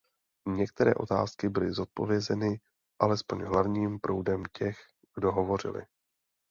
Některé otázky byly zodpovězeny alespoň hlavním proudem těch, kdo hovořili.